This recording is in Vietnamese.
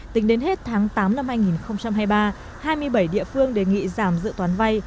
tính đến hết tháng tám năm hai nghìn hai mươi ba hai mươi bảy địa phương đề nghị giảm dự toán vay